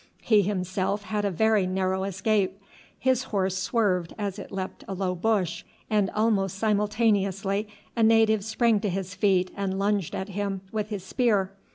He himself had a very narrow escape. His horse swerved as it leapt a low bush, and almost simultaneously a native sprang to his feet and lunged at him with his spear.